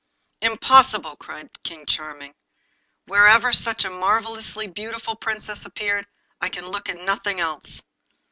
'Impossible!' cried King Charming. 'Wherever such a marvellously beautiful Princess appears I can look at nothing else.